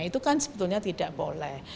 itu kan sebetulnya tidak boleh